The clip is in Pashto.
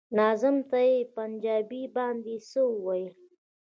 ناظم ته يې په پنجابي باندې څه ويل.